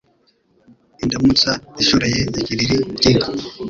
Indamutsa ishoreye ikiriri cy' inka